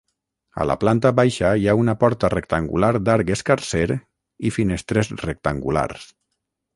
A la planta baixa hi ha una porta rectangular d'arc escarser i finestres rectangulars.